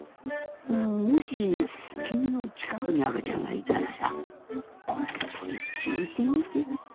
うんもしきみのちかくにあかちゃんがいたらさこっそりきいてみて。